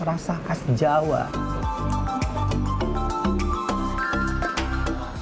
rasa khas jawa